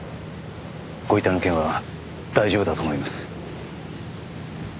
ご遺体の件は大丈夫だと思います。